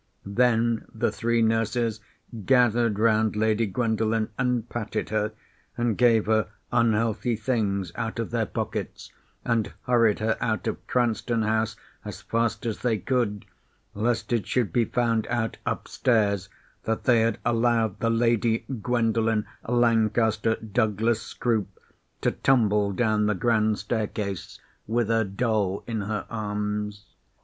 Then the three nurses gathered round Lady Gwendolen and patted her, and gave her unhealthy things out of their pockets, and hurried her out of Cranston House as fast as they could, lest it should be found out upstairs that they had allowed the Lady Gwendolen Lancaster Douglas Scroop to tumble down the grand staircase with her doll in her arms.